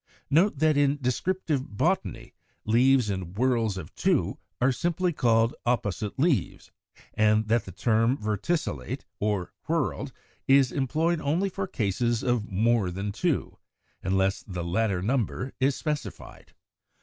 Note that in descriptive botany leaves in whorls of two are simply called opposite leaves; and that the term verticillate or whorled, is employed only for cases of more than two, unless the latter number is specified.